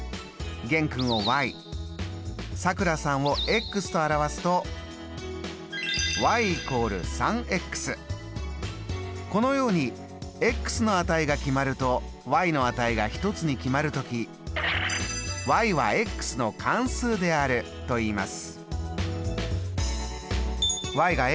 玄君をさくらさんをと表すとこのようにの値が決まるとの値がはの関数であるといいます。